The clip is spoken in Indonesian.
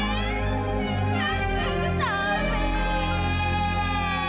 kenapa semuanya harus terjadi